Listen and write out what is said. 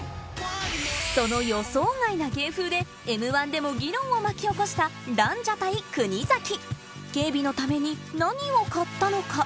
その予想外な芸風で『Ｍ−１』でも議論を巻き起こしたランジャタイ・国崎警備のために何を買ったのか？